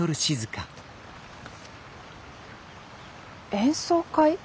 演奏会？